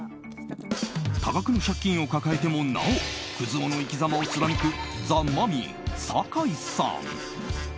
多額の借金を抱えてもなおクズ男の生きざまを貫くザ・マミィ酒井さん。